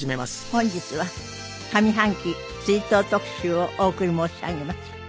本日は上半期追悼特集をお送り申し上げます。